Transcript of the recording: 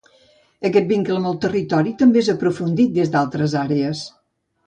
Aquest vincle amb el territori també és aprofundit des d'altres àrees.